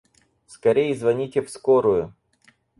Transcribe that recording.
Скорей звоните в скорую!